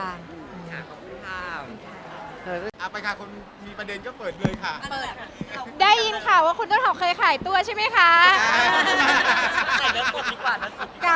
เอาไปค่ะคนมีประเด็นก็เปิดเลยค่ะได้ยินค่ะว่าคุณต้นหอบเคยขายตัวใช่มั้ยคะ